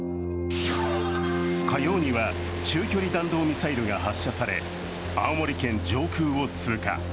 火曜には中距離弾道ミサイルが発射され青森県上空を通過。